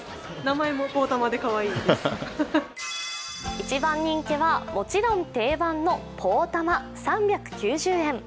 一番人気は、もちろん定番のポーたま３９０円。